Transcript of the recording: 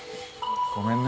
ごめんね。